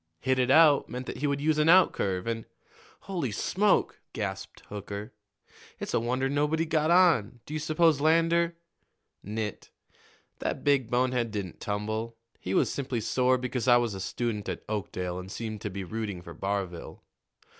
'Hit it out,' meant that he would use an outcurve, and " "Holy smoke!" gasped Hooker. "It's a wonder nobody got on. Do you suppose Lander " "Nit. That big bonehead didn't tumble. He was simply sore because I was a student at Oakdale and seemed to be rooting for Barville.